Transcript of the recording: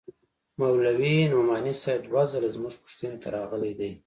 مولوي نعماني صاحب دوه ځله زموږ پوښتنې ته راغلى دى.